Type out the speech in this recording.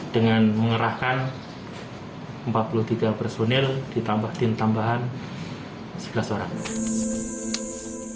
dengan mengerahkan empat puluh tiga personil ditambah tim tambahan sebelas orang